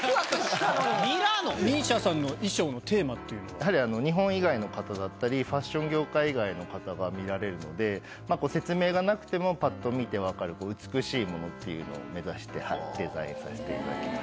やはり日本以外の方だったりファッション業界以外の方が見られるので説明がなくてもパっと見て分かる美しいものっていうのを目指してデザインさせていただきました。